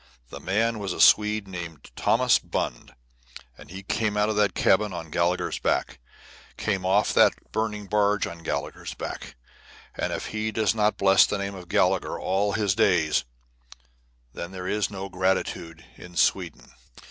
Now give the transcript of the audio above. The man was a Swede named Thomas Bund, and he came out of that cabin on Gallagher's back, came off that burning barge on Gallagher's back, and if he does not bless the name of Gallagher all his days, then there is no gratitude in Sweden.